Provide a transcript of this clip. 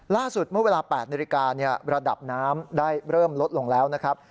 เมื่อเวลา๘นาฬิการะดับน้ำได้เริ่มลดลงแล้วนะครับ